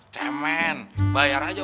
cemen bayar aja